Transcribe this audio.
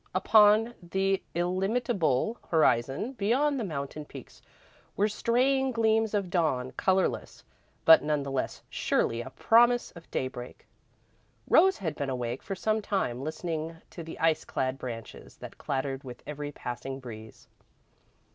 Upon the illimitable horizon beyond the mountain peaks were straying gleams of dawn, colourless, but none the less surely a promise of daybreak. Rose had been awake for some time, listening to the ice clad branches that clattered with every passing breeze.